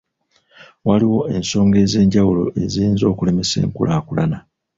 Waliwo ensonga ez'enjawulo eziyinza okulemesa enkulaakulana.